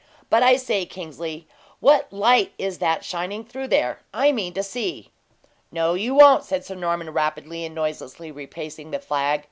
But, I say, Kingsley, what light is that shining through there? I mean to see." "No, you won't," said Sir Norman, rapidly and noiselessly replacing the flag.